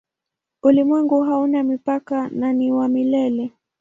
Ulimwengu hauna mipaka na ni wa milele.